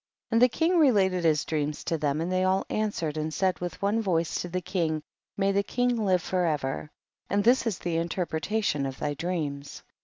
8. And the king related his dreams to them, and they all answered and said with one voice to the king, may the king live for ever ; and this is the interprelalion of thy dreams.